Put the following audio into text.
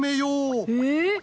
えっ！？